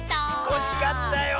おしかったよ。